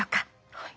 はい。